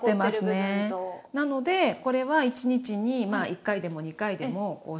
なのでこれは１日に１回でも２回でもこうして振ってあげれば。